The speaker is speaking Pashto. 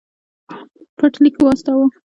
پټ لیک واستاوه.